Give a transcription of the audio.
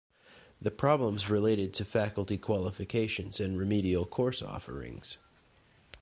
The problems related to faculty qualifications and remedial course offerings.